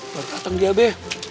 dateng dia be